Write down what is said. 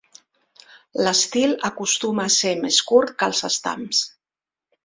L'estil acostuma a ser més curt que els estams.